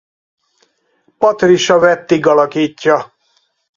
Patricia Wettig alakítja.